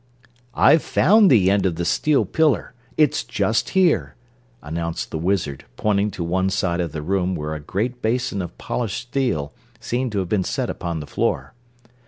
"I've found the end of the steel pillar. It's just here," announced the Wizard, pointing to one side of the room where a great basin of polished steel seemed to have been set upon the floor.